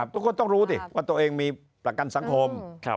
ทุกคนต้องรู้สิว่าตัวเองมีประกันสังคม